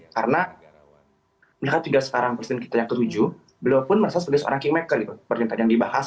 karena mereka tidak sekarang persen kita yang ketujuh beliau pun merasa sebagai seorang kingmaker seperti yang tadi dibahas